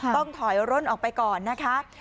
ต้องถอยร่นออกไปก่อนนะคะ